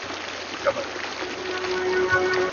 • انسان بې وزره مرغه دئ.